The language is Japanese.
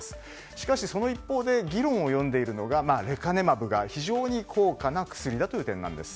しかしその一方で議論を呼んでいるのがレカネマブが非常に高価な薬だという点なんです。